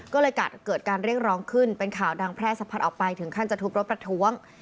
ก็เลยเกิดการเรียกร้องขึ้นเป็นข่าวดังแพร่สะพัดออกไปถึงขั้นจะทุบรถประท้วง